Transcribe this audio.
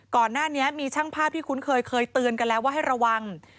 ก่อนหน้านี้มีช่างภาพที่คุ้นเคยเคยเตือนกันแล้วว่าให้ระวัง